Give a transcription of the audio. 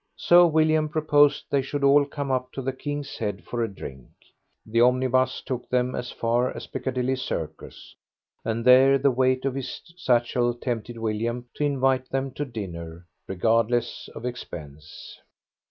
So William proposed they should all come up to the "King's Head" for a drink. The omnibus took them as far as Piccadilly Circus; and there the weight of his satchel tempted William to invite them to dinner, regardless of expense.